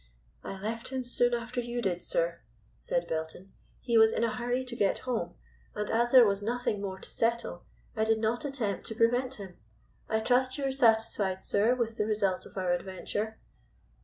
"I left him soon after you did, sir," said Belton. "He was in a hurry to get home, and as there was nothing more to settle I did not attempt to prevent him. I trust you are satisfied, sir, with the result of our adventure."